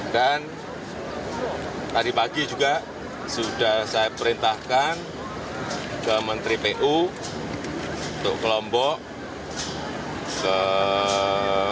dan tadi pagi juga sudah saya perintahkan ke menteri pu ke lombok ke rumah